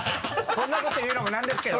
こんなこと言うのもなんですけど。